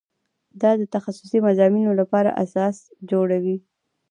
دا د تخصصي مضامینو لپاره اساس جوړوي.